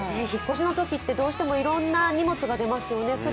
引っ越しのときってどうしてもいろんな荷物が出ますよね。